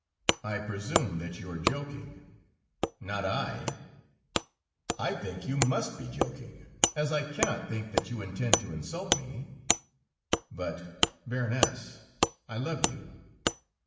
"I presume that you are joking." "Not I ..." "I think you must be joking, as I cannot think that you intend to insult me." "But, Baroness, I love you...."